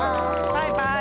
バイバイ。